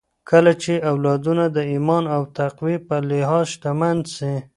کله چې اولادونه د ايمان او تقوی په لحاظ شتمن سي